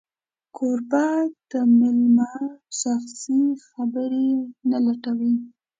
کوربه د مېلمه شخصي خبرې نه لټوي.